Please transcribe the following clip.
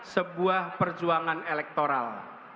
sebuah perjuangan elektoral